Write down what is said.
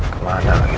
kemana lagi itu